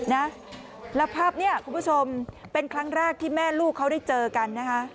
นะแล้วภาพนี้คุณผู้ชมเป็นครั้งแรกที่แม่ลูกเขาได้เจอกันนะคะ